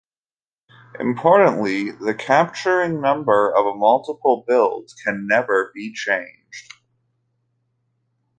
Importantly, the capturing number of a multiple build can never be changed.